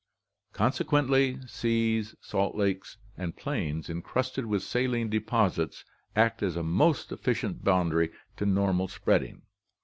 1 Consequently seas, salt lakes, and plains encrusted with saline deposits act as most efficient bound aries to normal 'spreading.'